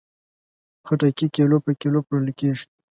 خټکی کیلو په کیلو پلورل کېږي.